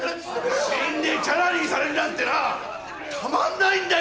・死んでちゃらにされるなんてなたまんないんだよ！